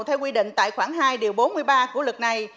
theo quy định tại khoảng hai điều bốn mươi ba của lực này